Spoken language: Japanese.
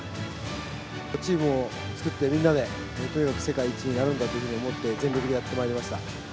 チームを作ってみんなでとにかく世界一になるんだと思って、全力でやってまいりました。